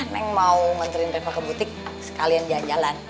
neng mau nganterin reva ke butik sekalian jalan jalan